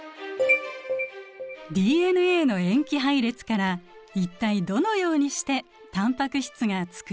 ＤＮＡの塩基配列から一体どのようにしてタンパク質がつくられるのでしょうか。